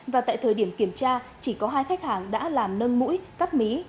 và tại thời điểm kiểm tra chỉ có hai khách hàng đã làm nâng mũi cắt mí